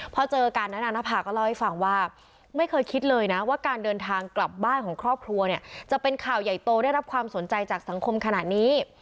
พอเจอกันนะนางนภาก็เล่าให้ฟังว่าไม่เคยคิดเลยนะว่าการเดินทางกลับบ้านของครอบครัวเนี่ยจะเป็นข่าวใหญ่โตได้รับความสนใจจากสังคมขนาดนี้